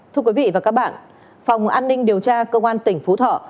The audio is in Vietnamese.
thưa quý vị và các bạn phòng an ninh điều tra công an tỉnh phú thọ